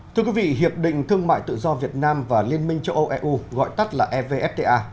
thưa quý vị hiệp định thương mại tự do việt nam và liên minh châu âu eu gọi tắt là evfta